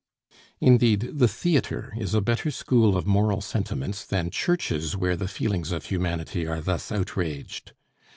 Indeed, the theatre is a better school of moral sentiments than churches where the feelings of humanity are thus outraged.